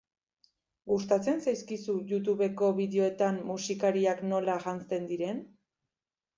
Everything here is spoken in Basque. Gustatzen zaizkizu Youtubeko bideoetan musikariak nola janzten diren?